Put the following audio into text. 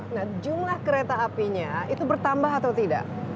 nah jumlah kereta apinya itu bertambah atau tidak